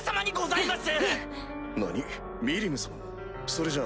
それじゃあ。